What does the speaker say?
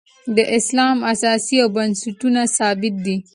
د اسلام اساس او بنسټونه ثابت دي.